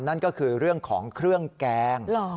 นั่นก็คือเรื่องของเครื่องแกง